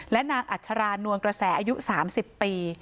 และนางอัชรานวลกระแสอายุ๓๐ปี